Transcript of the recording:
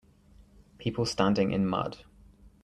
People standing in mud.